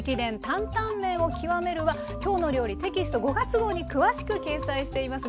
担々麺を極める」は「きょうの料理」テキスト５月号に詳しく掲載しています。